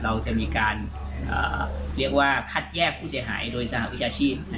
เราจะมีการเรียกว่าคัดแยกผู้เสียหายโดยสหวิชาชีพ